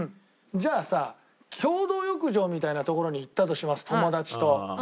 じゃあさ共同浴場みたいな所に行ったとします友達と。